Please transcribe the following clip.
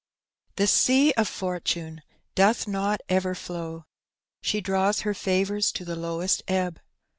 Tbe BOB of fortane doth not ever flow, Sho draws her favoure to the lowest ebb.